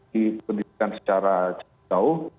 dipendidikan secara jauh